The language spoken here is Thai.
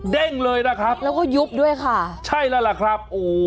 เด้งเลยนะครับแล้วก็ยุบด้วยค่ะใช่แล้วล่ะครับโอ้โห